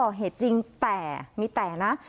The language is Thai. ก่อเหตุจริงแต่มีแต่นะ